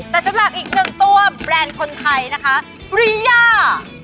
แต่สำหรับอีกหนึ่งตัวแบรนด์คนไทยนะคะรียา